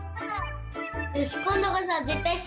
よしこんどこそはぜったいせいかいしようね。